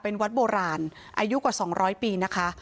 เป็นวัดโบราณอายุกว่า๒๐๐ปีนะคะ